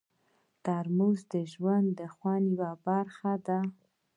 ترموز د ژوند د خوند یوه برخه ده.